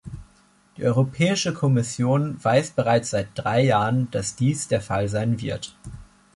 Die Europäische Kommission weiß bereits seit drei Jahren, dass dies der Fall sein wird.